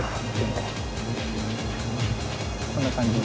こんな感じで。